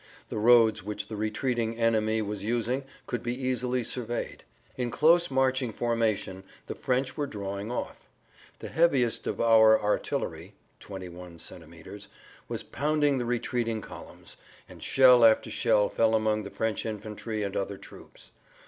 The roads which the retreating enemy was using could be easily surveyed. In close marching formation the French were drawing off. The heaviest of our artillery (21 cm.) was pounding the retreating columns, and shell after shell fell among the French infantry and other troops.